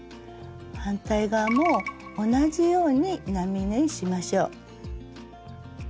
反対側も同じように並縫いしましょう。